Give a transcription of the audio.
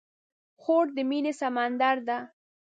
خور د مینې سمندر ده.